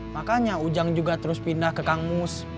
makanya ujang juga terus pindah ke kangmus